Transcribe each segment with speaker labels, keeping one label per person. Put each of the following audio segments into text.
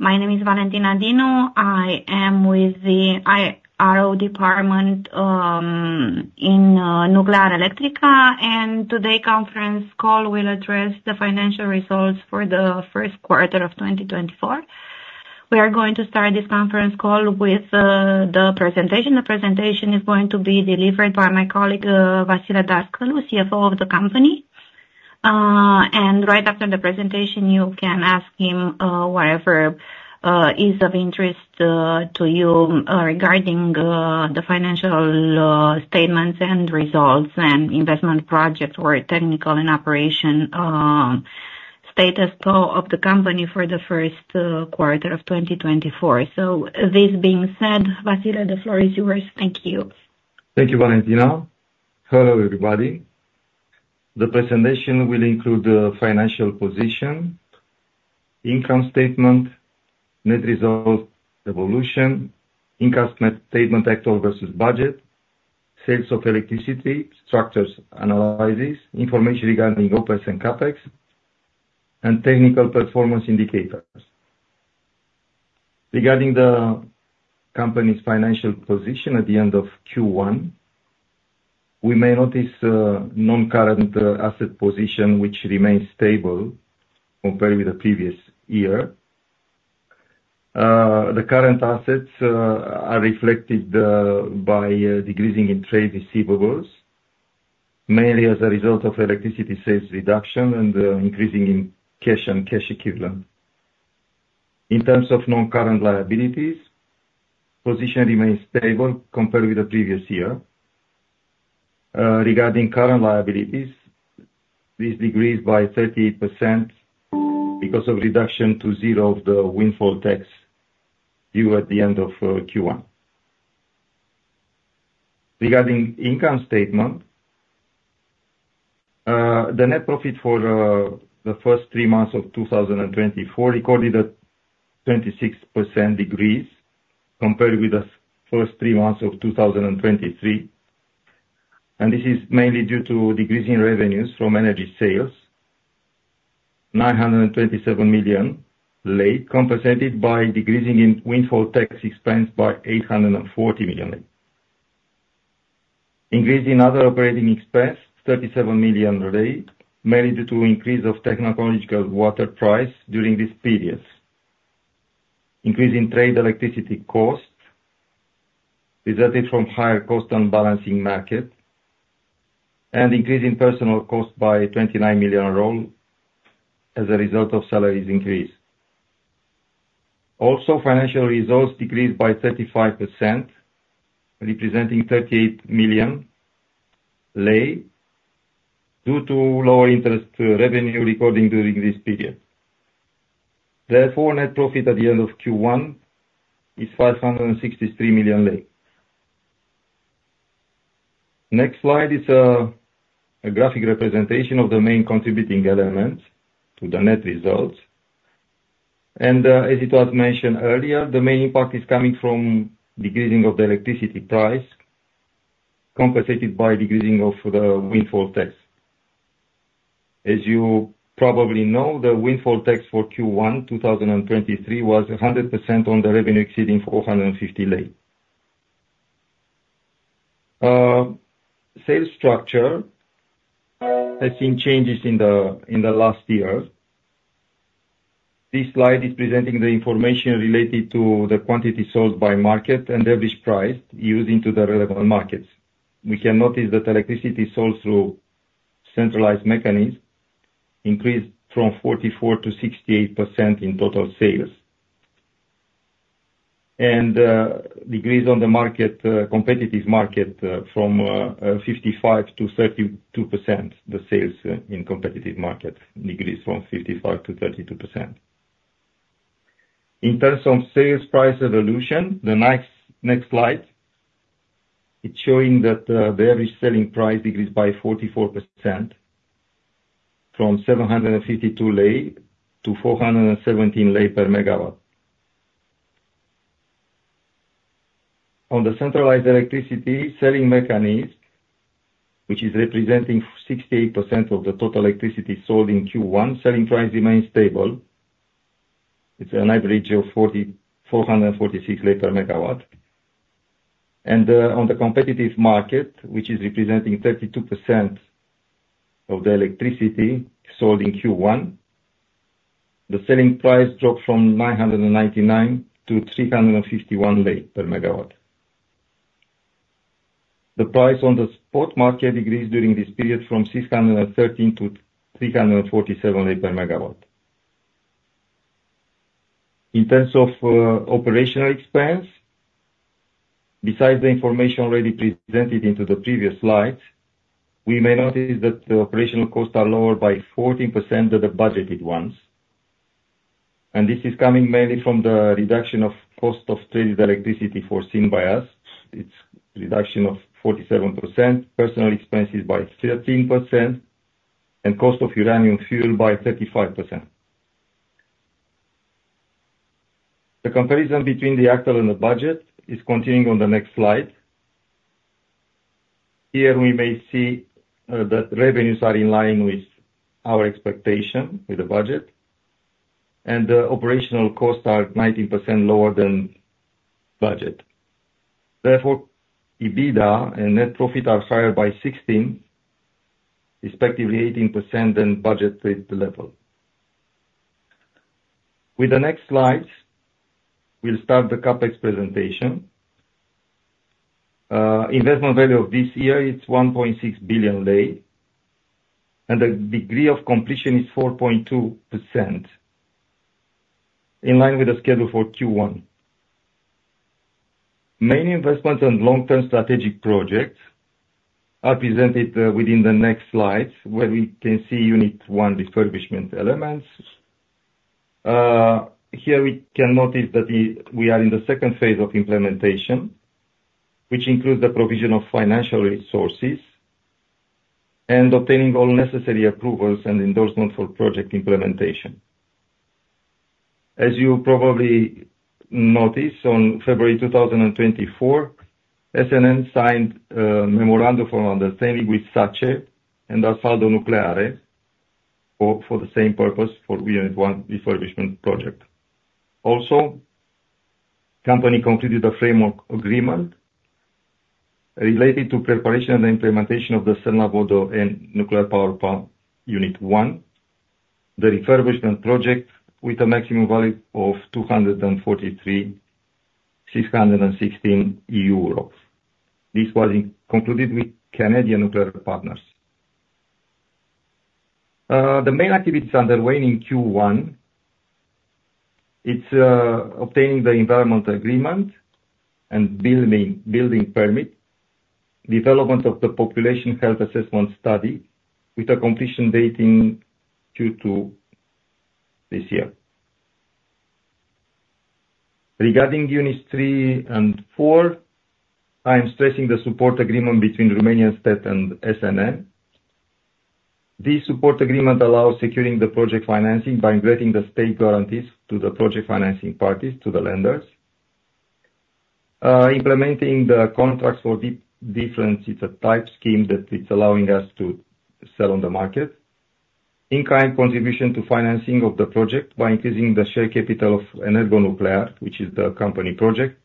Speaker 1: My name is Valentina Dinu. I am with the IRO department in Nuclearelectrica, and today's conference call will address the financial results for the first quarter of 2024. We are going to start this conference call with the presentation. The presentation is going to be delivered by my colleague, Vasile Dascălu, CFO of the company. Right after the presentation, you can ask him whatever is of interest to you regarding the financial statements and results and investment project or technical and operation status quo of the company for the first quarter of 2024. This being said, Vasile, the floor is yours. Thank you.
Speaker 2: Thank you, Valentina. Hello, everybody. The presentation will include the financial position, income statement, net results evolution, income statement actual versus budget, sales of electricity structures analysis, information regarding OpEx and CapEx, and technical performance indicators. Regarding the company's financial position at the end of Q1, we may notice non-current asset position, which remains stable compared with the previous year. The current assets are reflected by decreasing in trade receivables, mainly as a result of electricity sales reduction and increasing in cash and cash equivalents. In terms of non-current liabilities, position remains stable compared with the previous year. Regarding current liabilities, this decreased by 38% because of reduction to zero of the windfall tax due at the end of Q1. Regarding income statement, the net profit for the first three months of 2024 recorded a 26% decrease compared with the first three months of 2023, and this is mainly due to decreasing revenues from energy sales, RON 927 million, compensated by decreasing in windfall tax expense by RON 840 million. Increase in other operating expense, RON 37 million, mainly due to increase of technological water price during this period, increase in trade electricity cost resulting from higher cost balancing market, and increase in personnel cost by RON 29 million as a result of salaries increase. Also, financial results decreased by 35%, representing RON 38 million due to lower interest revenue recording during this period. Therefore, net profit at the end of Q1 is RON 563 million. Next slide is a graphic representation of the main contributing elements to the net results. As it was mentioned earlier, the main impact is coming from decreasing of the electricity price compensated by decreasing of the windfall tax. As you probably know, the windfall tax for Q1 2023 was 100% on the revenue exceeding RON 450. Sales structure has seen changes in the last year. This slide is presenting the information related to the quantity sold by market and average price used into the relevant markets. We can notice that electricity sold through centralized mechanism increased from 44% to 68% in total sales. Decrease on the market, competitive market, from 55% to 32%, the sales in competitive market decreased from 55% to 32%. In terms of sales price evolution, the next slide, it's showing that, the average selling price decreased by 44% from RON 752 to RON 417 per megawatt. On the centralized electricity selling mechanism, which is representing 68% of the total electricity sold in Q1, selling price remains stable. It's an average of RON 446 per megawatt. On the competitive market, which is representing 32% of the electricity sold in Q1, the selling price dropped from RON 999-RON 351 per megawatt. The price on the spot market decreased during this period from RON 613-RON 347 per megawatt. In terms of operational expense, besides the information already presented into the previous slides, we may notice that the operational costs are lower by 14% than the budgeted ones, and this is coming mainly from the reduction of cost of traded electricity foreseen by us. It's reduction of 47%, personal expenses by 13%, and cost of uranium fuel by 35%. The comparison between the actual and the budget is continuing on the next slide. Here we may see that revenues are in line with our expectation, with the budget, and the operational costs are 19% lower than budget. Therefore, EBITDA and net profit are higher by 16%, respectively 18% than budgeted level. With the next slides, we'll start the CapEx presentation. The investment value of this year is RON 1.6 billion, and the degree of completion is 4.2%, in line with the schedule for Q1. Main investments and long-term strategic projects are presented within the next slides where we can see Unit 1 refurbishment elements. Here we can notice that we are in the second phase of implementation, which includes the provision of financial resources and obtaining all necessary approvals and endorsements for project implementation. As you probably notice, on February 2024, SNN signed a memorandum of understanding with SACE and Ansaldo Nucleare for the same purpose, for Unit 1 refurbishment project. Also, the company completed a framework agreement related to preparation and implementation of the Cernavoda Nuclear Power Plant Unit 1 refurbishment project with a maximum value of 243,616 euros. This was concluded with Canadian Nuclear Partners. The main activities underway in Q1 are obtaining the environmental agreement and building permit, development of the population health assessment study with a completion date in Q2 this year. Regarding Units 3 and 4, I am stressing the support agreement between Romanian State and SNN. This support agreement allows securing the project financing by issuing the state guarantees to the project financing parties, to the lenders. Implementing the Contracts for Difference, it is a type scheme that it is allowing us to sell on the market. In-kind contribution to financing of the project by increasing the share capital of EnergoNuclear, which is the company project.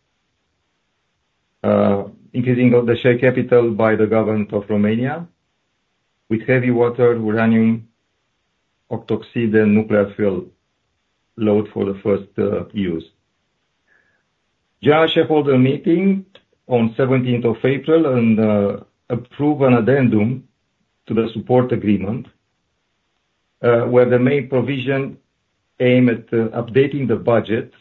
Speaker 2: Increasing the share capital by the government of Romania with heavy water, uranium octoxide, and nuclear fuel load for the first use. General shareholder meeting on 17th of April and approve an addendum to the support agreement, where the main provision aimed at updating the budget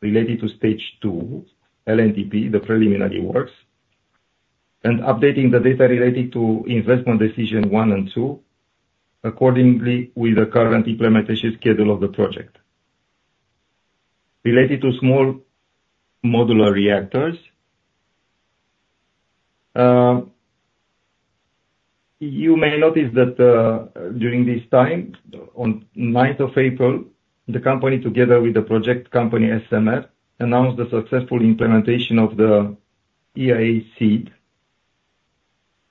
Speaker 2: related to stage two, LNTP, the preliminary works, and updating the data related to investment decision one and two accordingly with the current implementation schedule of the project. Related to small modular reactors, you may notice that, during this time, on 9th of April, the company together with the project company SMR announced the successful implementation of the IAEA SEED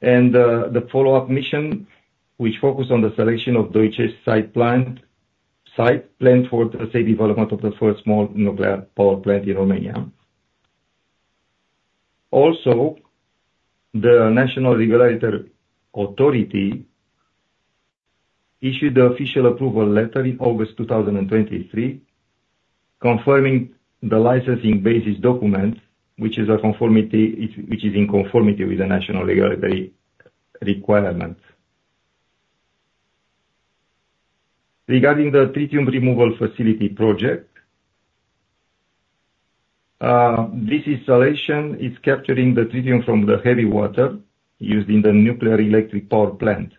Speaker 2: and the follow-up mission, which focused on the selection of Doicești site plant site planned for the SMR development of the first small nuclear power plant in Romania. Also, the National Regulatory Authority issued the official approval letter in August 2023 confirming the licensing basis document, which is a conformity which is in conformity with the national regulatory requirement. Regarding the tritium removal facility project, this installation is capturing the tritium from the heavy water used in the nuclear electric power plant.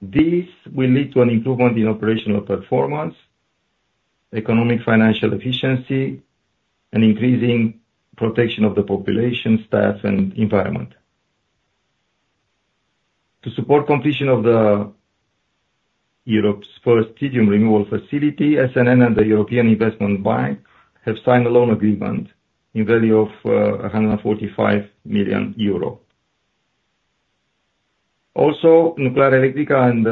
Speaker 2: This will lead to an improvement in operational performance, economic financial efficiency, and increasing protection of the population, staff, and environment. To support completion of Europe's first tritium removal facility, SNN and the European Investment Bank have signed a loan agreement in value of 145 million euro. Also, Nuclearelectrica and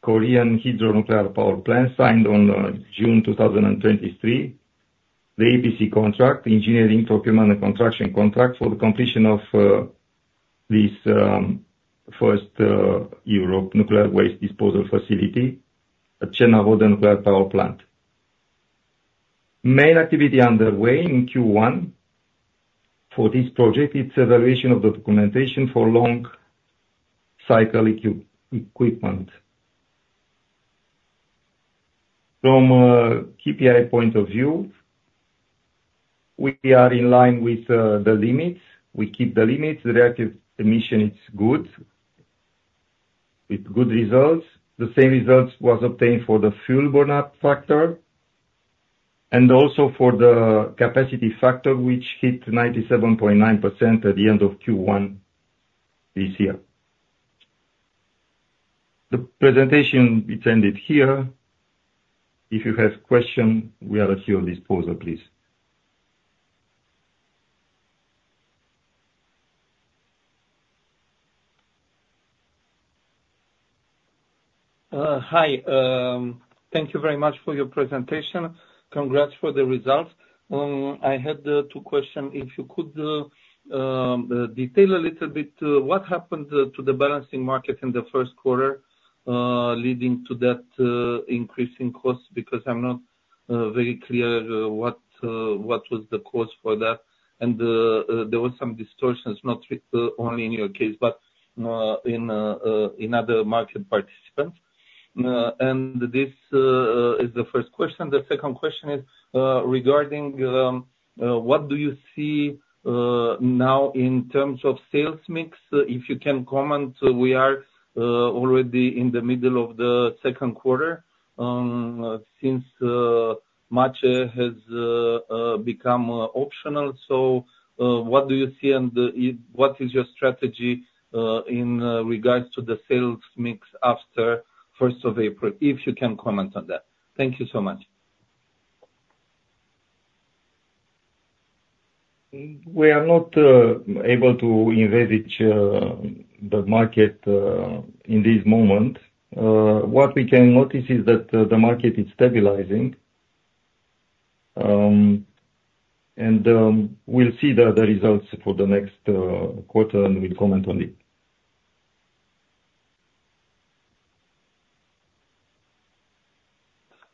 Speaker 2: Korea Hydro & Nuclear Power signed on June 2023 the EPC contract, engineering procurement and construction contract for the completion of this first Europe nuclear waste disposal facility at Cernavoda nuclear power plant. Main activity underway in Q1 for this project, it's evaluation of the documentation for long-cycle equipment. From a KPI point of view, we are in line with the limits. We keep the limits. The radioactive emissions, it's good with good results. The same results were obtained for the fuel burnout factor and also for the capacity factor, which hit 97.9% at the end of Q1 this year. The presentation, it's ended here. If you have questions, we are at your disposal, please.
Speaker 3: Hi. Thank you very much for your presentation. Congrats for the results. I had two questions. If you could detail a little bit what happened to the balancing market in the first quarter, leading to that increasing cost, because I'm not very clear what was the cause for that. And there were some distortions, not only in your case, but in other market participants. And this is the first question. The second question is regarding what do you see now in terms of sales mix? If you can comment, we are already in the middle of the second quarter, since MACEE has become optional. So what do you see and what is your strategy in regards to the sales mix after 1st of April? If you can comment on that. Thank you so much.
Speaker 2: We are not able to navigate the market in this moment. What we can notice is that the market is stabilizing, and we'll see the results for the next quarter and we'll comment on it.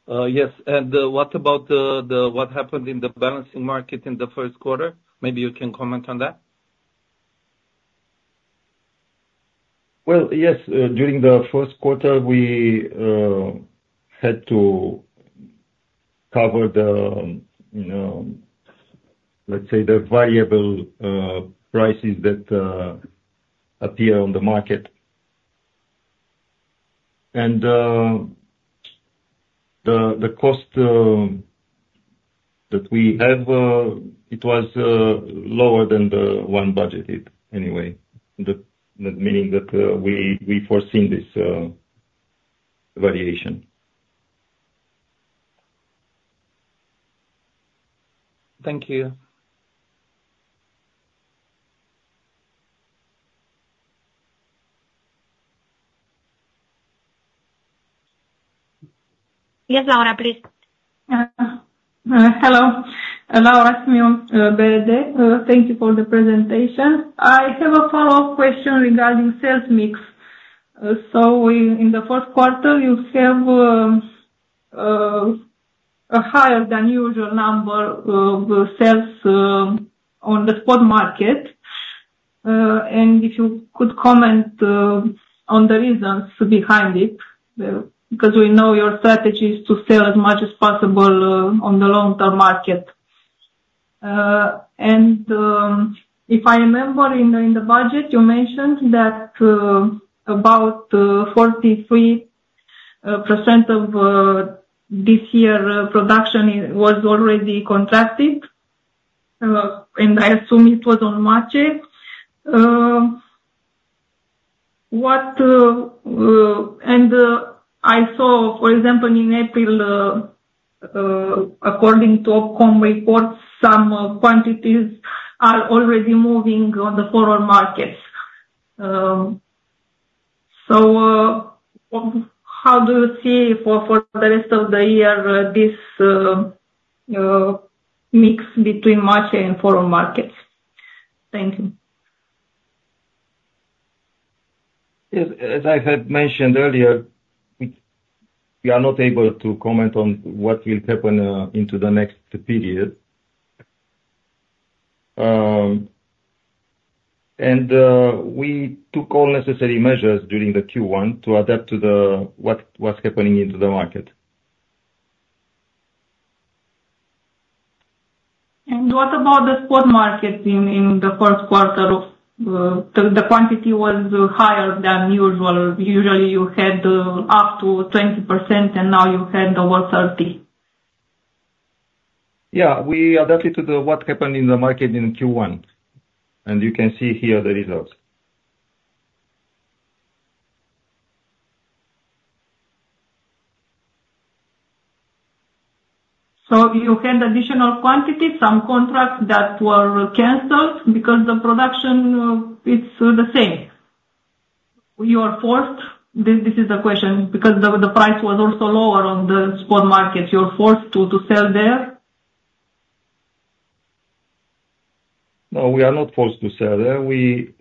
Speaker 3: Yes. What about what happened in the balancing market in the first quarter? Maybe you can comment on that.
Speaker 2: Well, yes. During the first quarter, we had to cover, you know, let's say, the variable prices that appear on the market. And the cost that we have, it was lower than the one budgeted anyway, meaning that we foreseen this variation.
Speaker 3: Thank you.
Speaker 4: Yes, Laura, please. Hello. Laura Simion, BRD. Thank you for the presentation. I have a follow-up question regarding sales mix. So in the first quarter, you have a higher than usual number of sales on the spot market. And if you could comment on the reasons behind it, because we know your strategy is to sell as much as possible on the long-term market. And if I remember, in the budget, you mentioned that about 43% of this year’s production was already contracted, and I assume it was on bilateral. What, and I saw, for example, in April, according to OPCOM reports, some quantities are already moving on the foreign markets. So how do you see for the rest of the year this mix between bilateral and foreign markets? Thank you.
Speaker 2: As I had mentioned earlier, we are not able to comment on what will happen in the next period. We took all necessary measures during the Q1 to adapt to what was happening in the market.
Speaker 4: What about the spot market in the first quarter? The quantity was higher than usual. Usually, you had up to 20%, and now you had over 30%.
Speaker 2: Yeah. We adapted to what happened in the market in Q1, and you can see here the results.
Speaker 4: You had additional quantities, some contracts that were canceled because the production, it's the same. You are forced this, this is the question, because the price was also lower on the spot market. You're forced to sell there?
Speaker 2: No, we are not forced to sell there. We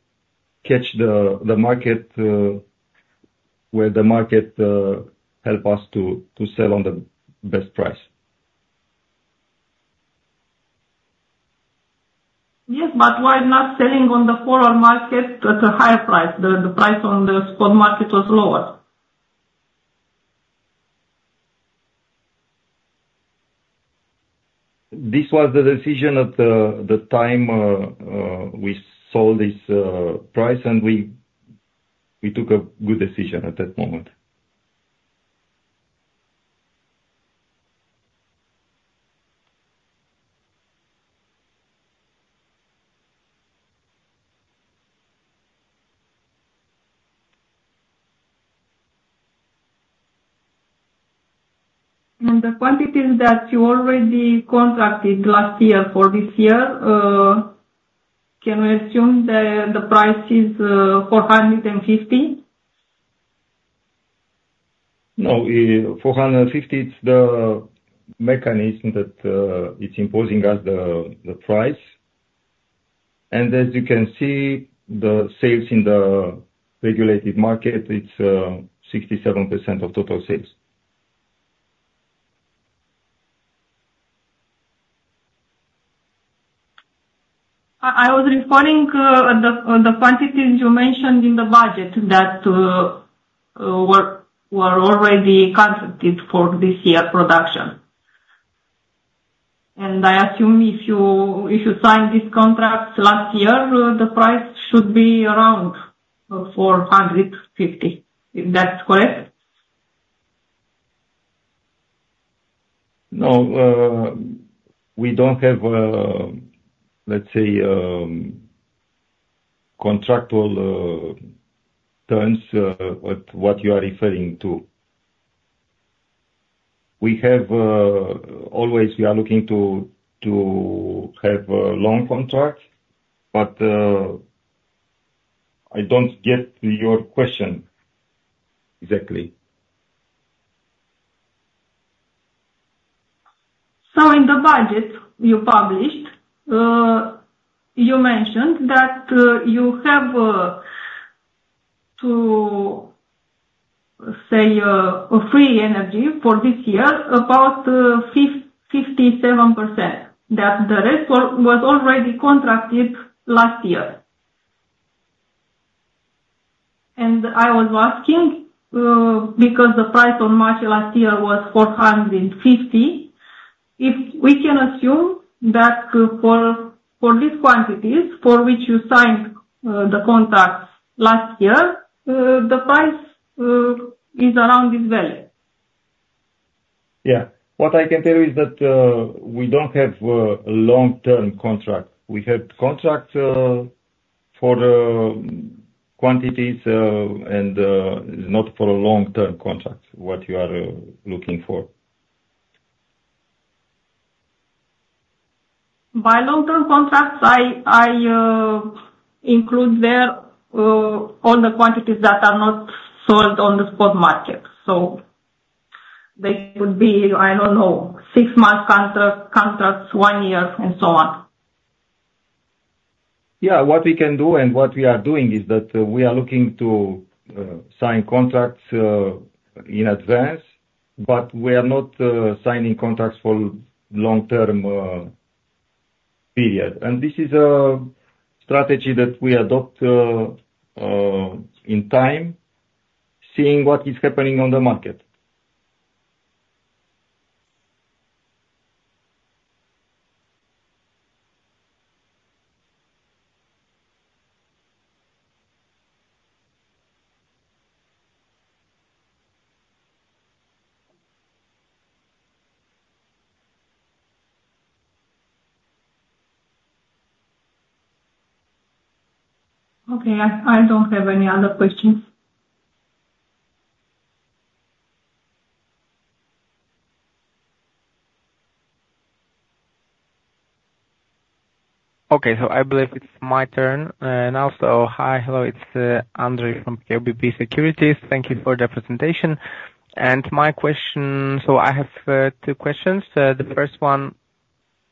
Speaker 2: catch the market, where the market helps us to sell on the best price.
Speaker 4: Yes, but why not selling on the foreign market at a higher price? The price on the spot market was lower.
Speaker 2: This was the decision at the time, we sold this price, and we took a good decision at that moment.
Speaker 4: The quantities that you already contracted last year for this year, can we assume that the price is RON 450?
Speaker 2: No, 450, it's the mechanism that it's imposing us the price. And as you can see, the sales in the regulated market it's 67% of total sales.
Speaker 4: I was referring to the quantities you mentioned in the budget that were already contracted for this year's production. And I assume if you signed this contract last year, the price should be around RON 450. Is that correct?
Speaker 2: No, we don't have, let's say, contractual terms at what you are referring to. We always are looking to have a long contract, but I don't get your question exactly.
Speaker 4: So in the budget you published, you mentioned that you have, to say, free energy for this year about 57%, that the rest was already contracted last year. And I was asking, because the price on March last year was RON 450, if we can assume that for these quantities for which you signed the contracts last year, the price is around this value.
Speaker 2: Yeah. What I can tell you is that we don't have a long-term contract. We had contracts for quantities, and not for a long-term contract what you are looking for.
Speaker 4: By long-term contracts, I include there all the quantities that are not sold on the spot market. So they could be, I don't know, six-month contract, contracts, one year, and so on.
Speaker 2: Yeah. What we can do and what we are doing is that we are looking to sign contracts in advance, but we are not signing contracts for long-term period. This is a strategy that we adopt in time, seeing what is happening on the market.
Speaker 4: Okay. I don't have any other questions.
Speaker 5: Okay. So I believe it's my turn. And also, hi, hello. It's Andrei from KBC Securities. Thank you for the presentation. My question, so I have two questions. The first one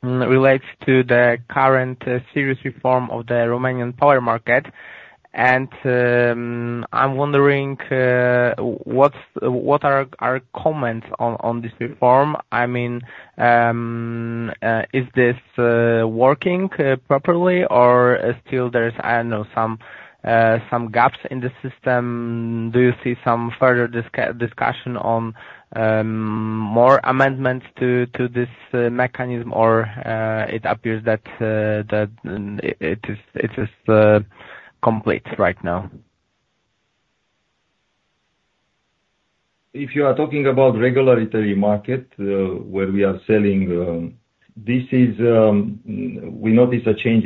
Speaker 5: relates to the current serious reform of the Romanian power market. I'm wondering, what are comments on this reform? I mean, is this working properly, or still there's some gaps in the system? I don't know. Do you see some further discussion on more amendments to this mechanism, or it appears that it is complete right now?
Speaker 2: If you are talking about regulated market, where we are selling, we notice a change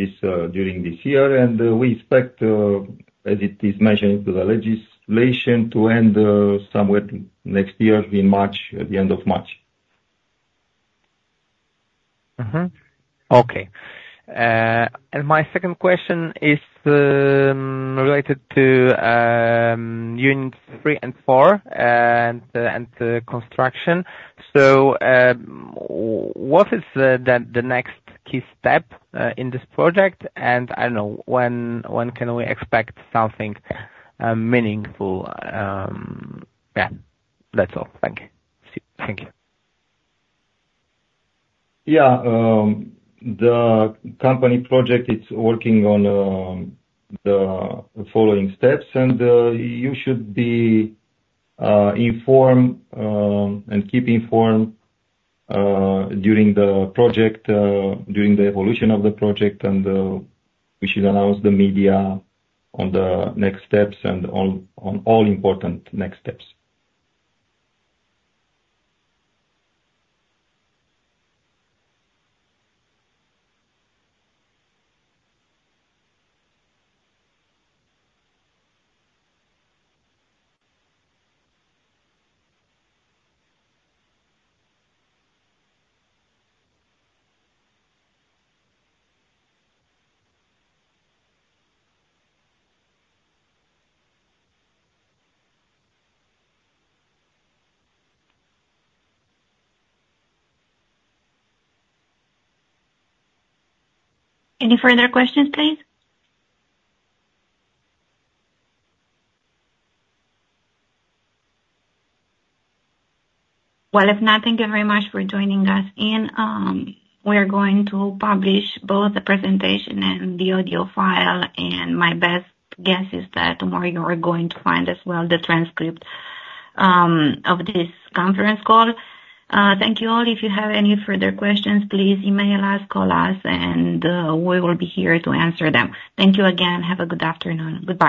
Speaker 2: during this year, and we expect, as it is mentioned in the legislation, to end somewhere next year in March, at the end of March.
Speaker 5: Mm-hmm. Okay. My second question is related to Units 3 and 4 and construction. So, what is the next key step in this project? And I don't know, when can we expect something meaningful? Yeah. That's all. Thank you. See you. Thank you.
Speaker 2: Yeah. The company project it's working on, the following steps, and you should be informed and keep informed during the project, during the evolution of the project, and we should announce the media on the next steps and on all important next steps.
Speaker 1: Any further questions, please? Well, if not, thank you very much for joining us in. We are going to publish both the presentation and the audio file, and my best guess is that tomorrow you are going to find as well the transcript of this conference call. Thank you all. If you have any further questions, please email us, call us, and we will be here to answer them. Thank you again. Have a good afternoon. Goodbye.